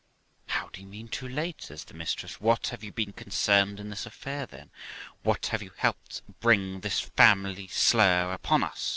'How do you mean too late?' says the mistress. ' What ! have you been concerned in this affair, then ? What ! have you helped bring this family slur upon us?'